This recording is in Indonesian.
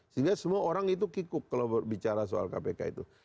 sehingga semua orang itu kikuk kalau bicara soal kpk itu